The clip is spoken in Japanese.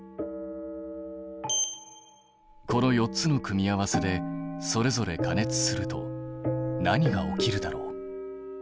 この４つの組み合わせでそれぞれ加熱すると何が起きるだろう？